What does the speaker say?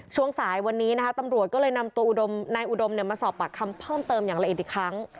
ช่วงสายวันนี้นะคะตำรวจก็เลยนำตัวนายอุดมมาสอบปากคำเพิ่มเติมอย่างละเอียดอีกครั้ง